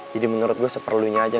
jadi menurut gue seperlunya aja